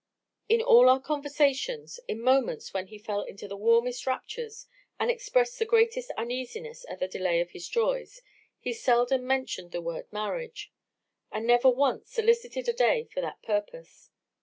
In all our conversations, in moments when he fell into the warmest raptures, and exprest the greatest uneasiness at the delay of his joys, he seldom mentioned the word marriage; and never once solicited a day for that purpose.